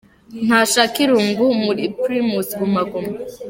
Ntashaka irungu muri Primus Guma Guma….